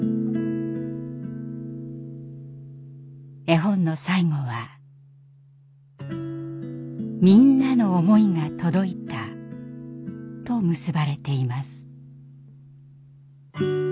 絵本の最後は「みんなのおもいがとどいた」と結ばれています。